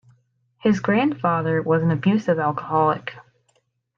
His grandfather was an abusive alcoholic.